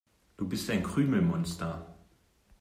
Du bist ein Krümelmonster.